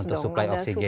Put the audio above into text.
untuk suplai oksigen